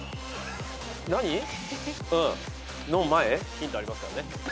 ヒントありますから。